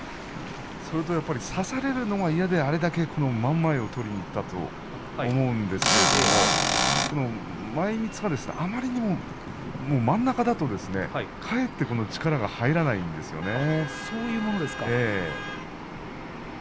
それと差されるのが嫌で真ん前を取りにいったと思うんですけれども前みつがあまりにも真ん中だとかえって力が入らないんですよね。